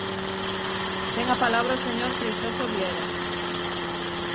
Ten a palabra o señor Freixoso Viera.